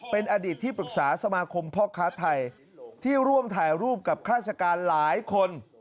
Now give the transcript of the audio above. เป็นอดีตที่ปรึกษาสมาคมพ่อค้าไทยที่ร่วมถ่ายรูปกับข้าราชการหลายคน